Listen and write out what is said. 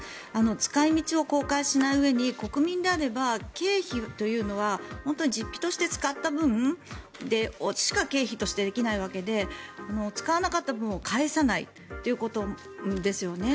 使い道を公開しないうえに国民であれば経費というのは本当は実費として使った分しか経費としてできないわけで使わなかった分を返さないということですよね。